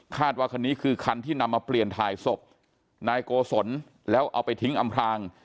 ว่าคันนี้คือคันที่นำมาเปลี่ยนถ่ายศพนายโกศลแล้วเอาไปทิ้งอำพลาง